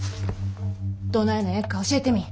どないな役か教えてみぃ。